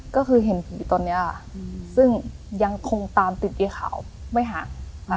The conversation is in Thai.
ก็คือเห็นผีตอนนี้ค่ะซึ่งยังคงตามติดยายขาวไม่ห่าง